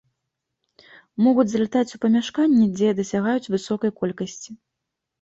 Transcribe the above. Могуць залятаць у памяшканні, дзе дасягаюць высокай колькасці.